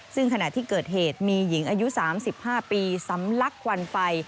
ซึ่งขณะที่เกิดเหตุมีหญิงอายุ๓๕ปีสำลักควันไฟ